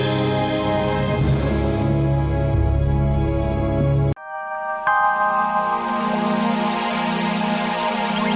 tidak ada yang bisa diberikan